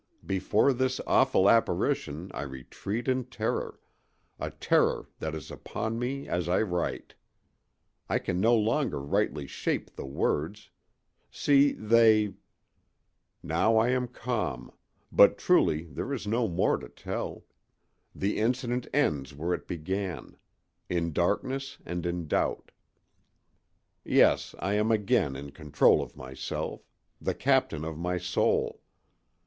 Before this awful apparition I retreat in terror—a terror that is upon me as I write. I can no longer rightly shape the words. See! they— Now I am calm, but truly there is no more to tell: the incident ends where it began—in darkness and in doubt. Yes, I am again in control of myself: "the captain of my soul."